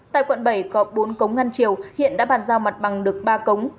tại quận bảy có bốn cống ngăn triều hiện đã bàn giao mặt bằng được ba cống